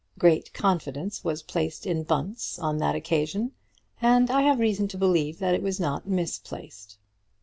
Great confidence was placed in Bunce on that occasion, and I have reason to believe that it was not misplaced.